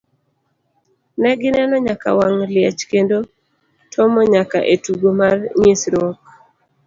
Ne gineno nyaka wang' liech kendo tomo nyaka e tugo mar nyisruok.